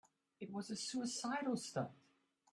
It was a suicidal stunt.